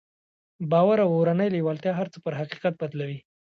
باور او اورنۍ لېوالتیا هر څه پر حقيقت بدلوي.